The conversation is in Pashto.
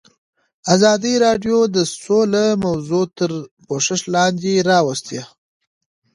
ازادي راډیو د سوله موضوع تر پوښښ لاندې راوستې.